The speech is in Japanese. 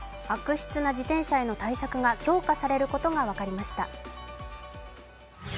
悪質な自転車への対策が強化されることが分かりました。